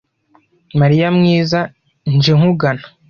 Mariya mwiza nje nkugana